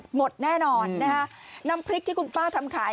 หมดแน่นอนนะฮะน้ำพริกที่คุณป้าทำขาย